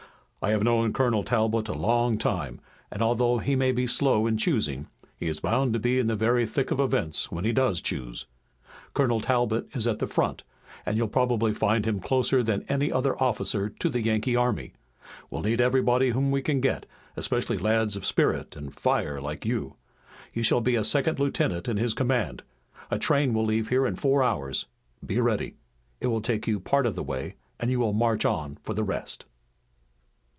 "I have known Colonel Talbot a long time, and, although he may be slow in choosing he is bound to be in the very thick of events when he does choose. Colonel Talbot is at the front, and you'll probably find him closer than any other officer to the Yankee army. We need everybody whom we can get, especially lads of spirit and fire like you. You shall be a second lieutenant in his command. A train will leave here in four hours. Be ready. It will take you part of the way and you will march on for the rest."